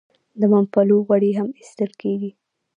د ممپلیو غوړي هم ایستل کیږي.